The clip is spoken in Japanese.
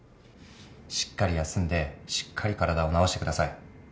しっかり休んでしっかり体を治してください。